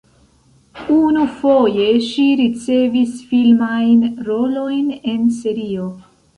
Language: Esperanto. Unufoje ŝi ricevis filmajn rolojn en serio.